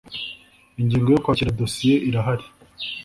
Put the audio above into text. ingingo yo kwakira dosiye irahari